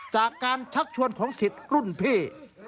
จากการชักชวนของสิทธิ์รุ่นพี่